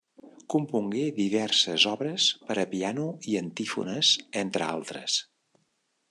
Compongué diverses obres per a piano i antífones, entre altres.